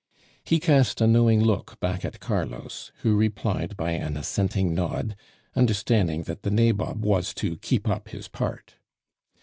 He cast a knowing look back at Carlos, who replied by an assenting nod, understanding that the nabob was to keep up his part.